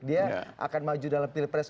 dia akan maju dalam pilpres dua ribu sembilan belas